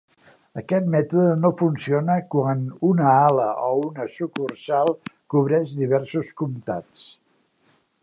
Aquest mètode no funciona quan una ala o una sucursal cobreix diversos comtats.